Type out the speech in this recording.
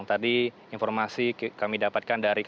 tadi informasi kami dapatkan dari